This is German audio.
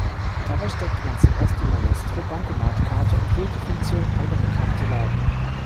Dabei steckte man zuerst die Maestro-Bankomatkarte und wählt die Funktion „andere Karte laden“.